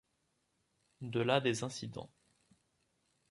De là des incidents.